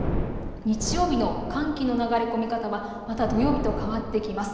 日曜日の寒気の流れ込み方はまた土曜日と変わってきます。